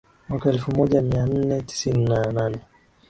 mwaka elfu moja mia nne tisini na nane